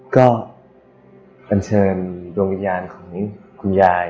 ก็กันชเชิญวิญญาณของคุณญาย